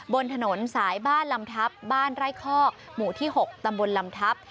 บนถนนสายบ้านลำทับบ้านไร่คอกหมู่ที่๖ตำบลลำทับ